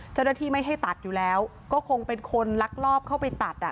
เจ้าหน้าที่ไม่ให้ตัดอยู่แล้วก็คงเป็นคนลักลอบเข้าไปตัดอ่ะ